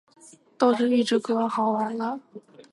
都是预制歌，好完了